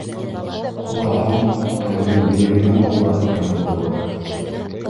Ҡолаһаң, тауҙың бейегенән ҡола, тигән булалар.